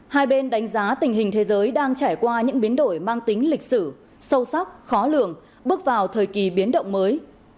hai bên đánh giá tình hình thế giới đang trải qua những biến đổi mang tính lịch sử sâu sắc khó lường bước vào thời kỳ biến động mới